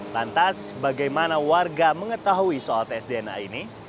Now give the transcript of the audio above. lantas bagaimana warga mengetahui soal tes dna ini